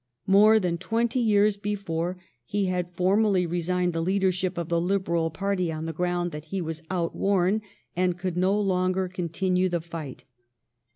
More than twenty years before he had formally resigned the leadership of the Liberal party on the ground that he was outworn and could no longer continue the fight.